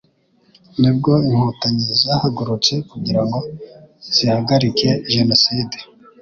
Ni bwo Inkotanyi zahagurutse kugira ngo zihagarike Jenoside.